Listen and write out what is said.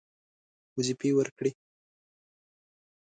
وظیفې ورکړې.